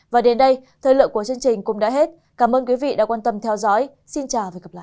và đến đây thời lượng của chương trình cũng đã hết cảm ơn quý vị đã quan tâm theo dõi xin chào và hẹn gặp lại